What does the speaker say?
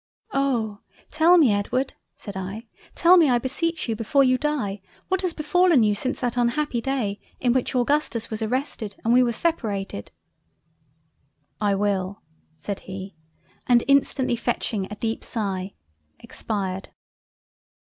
"Oh! tell me Edward (said I) tell me I beseech you before you die, what has befallen you since that unhappy Day in which Augustus was arrested and we were separated—" "I will" (said he) and instantly fetching a deep sigh, Expired—.